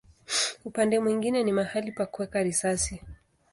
Upande mwingine ni mahali pa kuweka risasi.